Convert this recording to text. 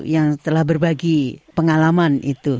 yang telah berbagi pengalaman itu